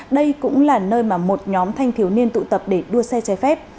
đây cũng là nơi mà một nhóm thanh thiếu niên tụ tập để đua xe trái phép